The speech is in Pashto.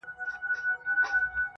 • هغه ورځ په واک کي زما زړه نه وي.